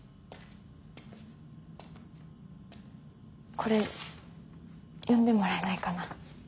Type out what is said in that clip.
これ読んでもらえないかな？